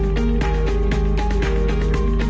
กลับมาที่นี่